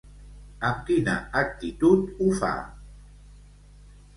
Amb quina actitud ho fa?